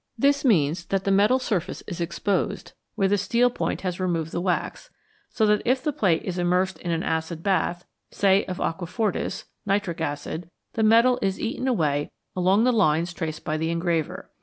This means that the metal surface is exposed where the steel point has removed the wax, so that if the plate is im mersed in an acid bath, say of "aqua fortis" (nitric acid), the metal is eaten away along the lines traced by the engraver.